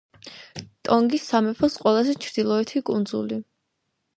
ტონგის სამეფოს ყველაზე ჩრდილოეთი კუნძული.